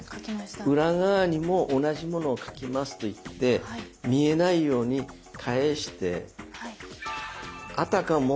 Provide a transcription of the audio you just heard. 裏側にも同じものを書きますと言って見えないように返してあたかも